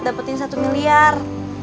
dapetin satu miliar